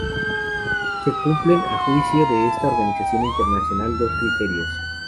Se cumplen, a juicio de esta organización internacional, dos criterios.